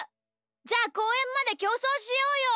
じゃあこうえんまできょうそうしようよ！